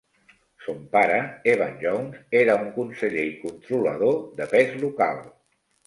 Son pare, Evan Jones, era un conseller i controlador de pes local.